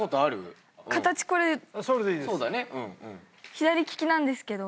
左利きなんですけど。